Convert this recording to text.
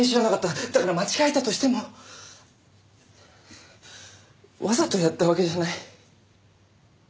だから間違えたとしてもわざとやったわけじゃない。